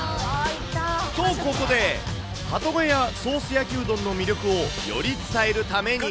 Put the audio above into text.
と、ここで、鳩ヶ谷ソース焼きうどんの魅力をより伝えるために。